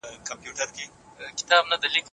پروژه له پامه مه غورځوه.